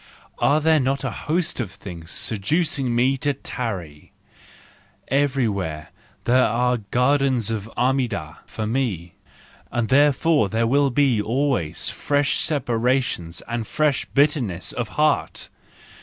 Are there not a host of things seducing me to tarry! Everywhere there are gardens of Armida for me, and therefore there will always be fresh separations and fresh bitterness of heart!